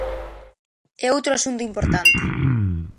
E outro asunto importante.